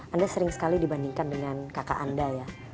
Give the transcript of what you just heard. anda sering sekali dibandingkan dengan kakak anda ya